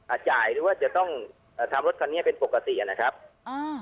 จ่ายหรือว่าจะต้องเอ่อทำรถคันนี้เป็นปกติอ่ะนะครับอ่า